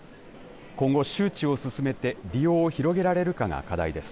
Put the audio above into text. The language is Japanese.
今後、周知を進めて利用を広げられるかが課題です。